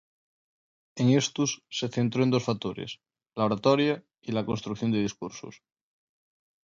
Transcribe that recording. En estos, se centró en dos factores: la oratoria y la construcción de discursos.